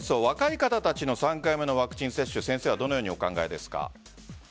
若い方たちの３回目のワクチン接種先生はどのようにお考えですか？